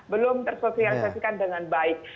belum tersosialisasikan dengan baik